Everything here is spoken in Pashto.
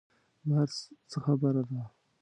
بهر څه خبره ده.